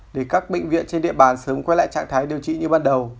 để các bệnh viện trên địa bàn sớm quay lại trạng thái điều trị như ban đầu